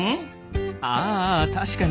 ああ確かに。